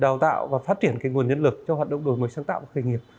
đào tạo và phát triển nguồn nhân lực cho hoạt động đổi mới sáng tạo và khởi nghiệp